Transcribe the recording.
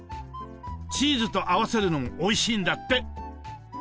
チーズと合わせるのもおいしいんだって。